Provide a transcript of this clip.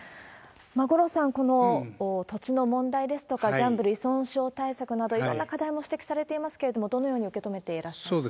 五郎さん、この土地の問題ですとかギャンブル依存症対策など、いろんな課題も指摘されていますけれども、どのように受け止めていらっしゃいますか？